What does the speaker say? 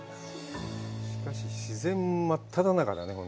しかし、自然真っただ中だね。